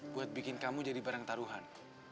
buat bikin kamu jadi barang taruhan